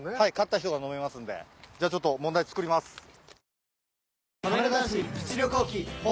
い勝った人が飲めますんでじゃあちょっと問題作ります。